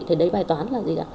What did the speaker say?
thì đấy bài toán là gì ạ